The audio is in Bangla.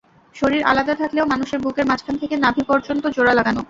শরীর আলাদা থাকলেও তাদের বুকের মাঝখান থেকে নাভি পর্যন্ত জোড়া লাগানো।